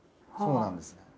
そうなんです。